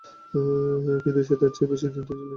কিন্তু সে তার চেয়ে আরো বেশি নির্দয় ছিল।